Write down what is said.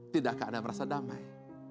tidakkah anda merasa damai